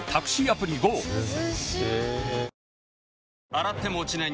洗っても落ちない